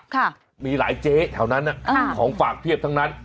ค่ะมีหลายเจ๊แถวนั้นของฝากเพียบทั้งนั้น